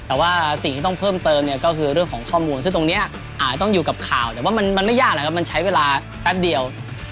แต่ว่าสิ่งที่ต้องเพิ่มเติมเนี่ยก็คือเรื่องของข้อมูลซึ่งตรงนี้อาจจะต้องอยู่กับข่าวแต่ว่ามันไม่ยากนะครับมันใช้เวลาแป๊บเดียว